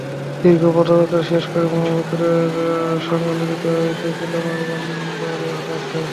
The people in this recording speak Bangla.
দীর্ঘ পথযাত্রা শেষ করে ব্রহ্মপুত্রের সঙ্গে মিলিত হয়েছে চিলমারী বন্দরের কাছে।